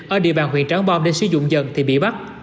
ở địa bàn huyện trảng bom nên sử dụng dần thì bị bắt